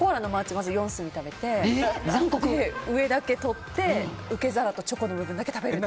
まず四隅食べて上だけ取って、受け皿とチョコの部分だけ食べると。